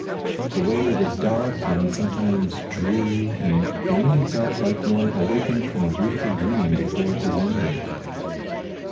The way was dark and sometimes dreary, and Eline felt like one awakened from a beautiful dream before it was ended.